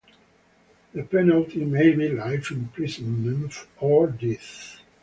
The penalty may be life imprisonment or death.